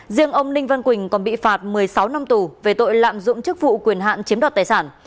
riêng ông ninh văn quỳnh còn bị phạt một mươi sáu năm tù về tội lạm dụng chức vụ quyền hạn chiếm đoạt tài sản